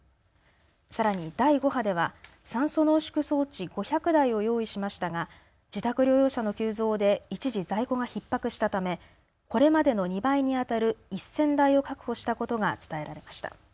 さらに第５波では酸素濃縮装置５００台を用意しましたが自宅療養者の急増で一時在庫がひっ迫したためこれまでの２倍にあたる１０００台を確保したことが伝えられました。